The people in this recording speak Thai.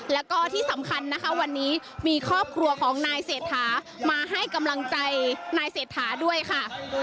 แล้วก็ที่สำคัญนะคะวันนี้มีครอบครัวของนายเศรษฐามาให้กำลังใจนายเศรษฐาด้วยค่ะ